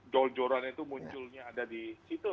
jol joran itu munculnya ada di situ